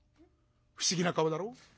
不思議な顔だろ。